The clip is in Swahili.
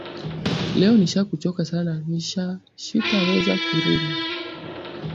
Leo nisha ku choka sana shita weza ku rima